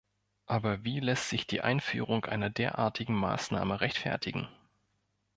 Aber wie lässt sich die Einführung einer derartigen Maßnahme rechtfertigen?